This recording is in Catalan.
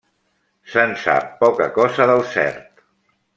Se'n sap poca cosa del cert.